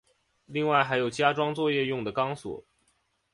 另外还有加装作业用的钢索。